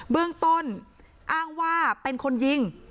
เบื้องต้นอ้างว่าเป็นคนยิง